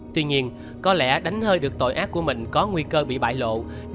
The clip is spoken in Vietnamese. tuy nhiên có lẽ đánh hơi được tội ác của mình có nguy cơ bị bại lộ